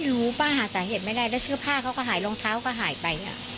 รู้ป้าหาสาเหตุไม่ได้แล้วเสื้อผ้าเขาก็หายรองเท้าก็หายไป